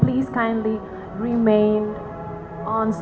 dari asean terima kasih